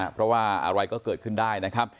เพราะว่าอะไรก็เกิดขึ้นได้